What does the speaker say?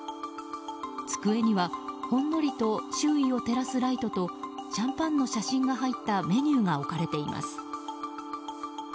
机には、ほんのりと周囲を照らすライトとシャンパンの写真が入ったメニューが置かれています。